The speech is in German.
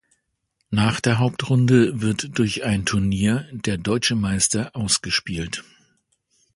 Nach der Hauptrunde wird durch ein Turnier der deutsche Meister ausgespielt.